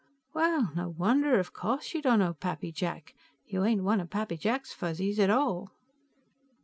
"Well, no wonder; of course you didn't know Pappy Jack. You aren't one of Pappy Jack's Fuzzies at all!"